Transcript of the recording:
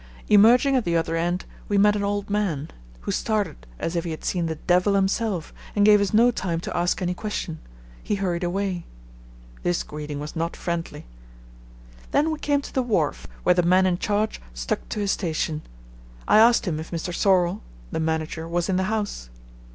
Emerging at the other end, we met an old man, who started as if he had seen the Devil himself and gave us no time to ask any question. He hurried away. This greeting was not friendly. Then we came to the wharf, where the man in charge stuck to his station. I asked him if Mr. Sorlle (the manager) was in the house.